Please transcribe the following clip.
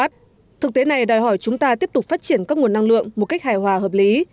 thực tế này đòi hỏi chúng ta tiếp tục phát triển các nguồn năng lượng một cách hài hòa hợp lý